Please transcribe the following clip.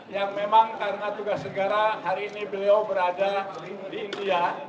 yang memang karena tugas negara hari ini beliau berada di india